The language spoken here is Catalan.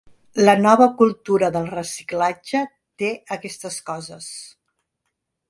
La nova cultura del reciclatge té aquestes coses.